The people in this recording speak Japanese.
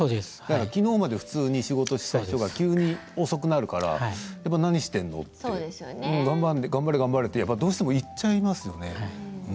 きのうまで普通に仕事をした人が急に遅くなるから何をしているのって頑張れってどうしても言っちゃいますよね。